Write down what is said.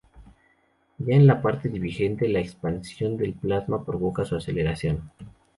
Ya en la parte divergente, la expansión del plasma provoca su aceleración.